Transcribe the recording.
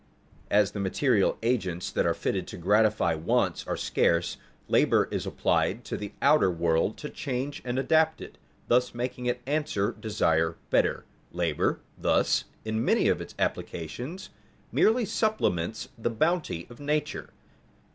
_ As the material agents that are fitted to gratify wants are scarce, labor is applied to the outer world to change and adapt it, thus making it answer desire better. Labor, thus, in many of its applications merely supplements the bounty of nature.